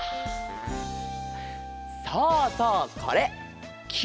そうそうこれきのこ。